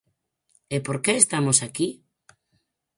E ¿por que estamos aquí?